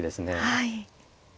はい。